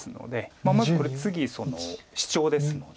まずこれ次シチョウですので。